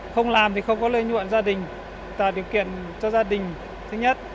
không làm thì không có lợi nhuận gia đình tạo điều kiện cho gia đình thứ nhất